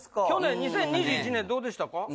去年２０２１年どうでしたか？